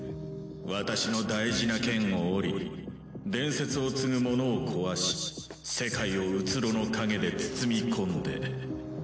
私の大事な剣を折り伝説を継ぐ者を壊し世界を虚の影で包み込んで。